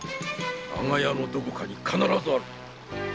長屋のどこかに必ずある！